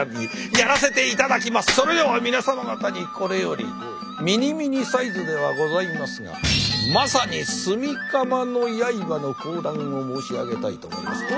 それでは皆様方にこれよりミニミニサイズではございますがまさに「炭竈のヤイバ」の講談を申し上げたいと思います。